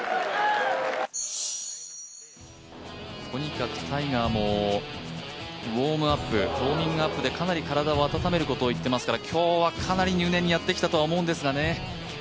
とにかくタイガーもウオーミングアップでかなり体を温めることと言っていましたから今日はかなり入念にやってきたとは思うんですがね。